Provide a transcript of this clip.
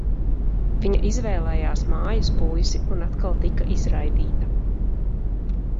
Viņa izvēlējās mājas puisi un atkal tika izraidīta.